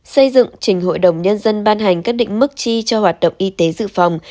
xây dựng trình hội đồng nhân dân ban hành các định mức chi cho hoạt động y tế dự phòng